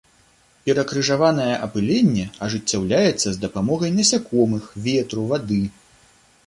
Перакрыжаванае апыленне ажыццяўляецца з дапамогай насякомых, ветру, вады.